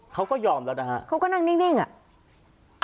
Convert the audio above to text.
เขาก็ยอมแล้วนะฮะเขาก็นั่งนิ่งอ่ะ